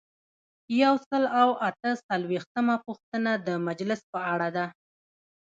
یو سل او اته څلویښتمه پوښتنه د مجلس په اړه ده.